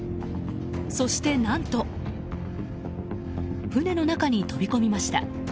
そして、何と船の中に飛び込みました。